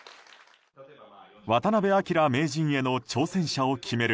渡辺明名人への挑戦者を決める